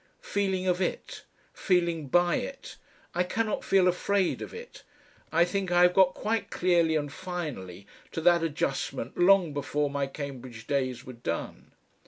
Feeling OF IT, feeling BY IT, I cannot feel afraid of it. I think I had got quite clearly and finally to that adjustment long before my Cambridge days were done.